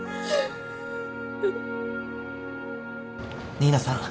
新名さん